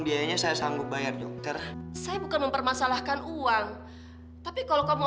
bukannya waktu itu kamu sebelum berangkat kamu kenapa napa